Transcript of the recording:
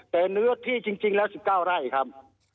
แต่เนื้อที่จริงแล้ว๑๙ไร่ครับ